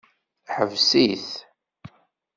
Ḥbes-it!